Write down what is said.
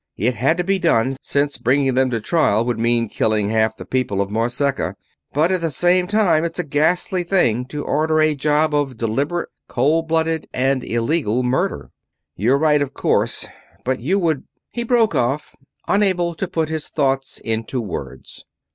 It had to be done, since bringing them to trial would mean killing half the people of Morseca; but at the same time it's a ghastly thing to order a job of deliberate, cold blooded, and illegal murder." "You're right, of course, but you would ..." he broke off, unable to put his thoughts into words.